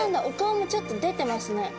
お顔もちょっと出てますね。